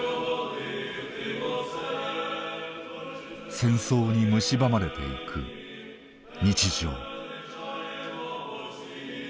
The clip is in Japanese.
戦争に蝕まれていく日常。